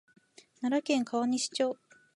奈良県川西町